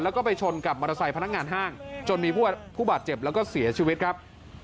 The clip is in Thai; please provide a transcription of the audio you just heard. แล้วก็ไปชนกับมอเตอร์ไซค์พนักงานห้างจนมีผู้บาดเจ็บแล้วก็เสียชีวิตครับ